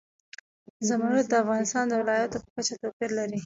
زمرد د افغانستان د ولایاتو په کچه توپیر لري.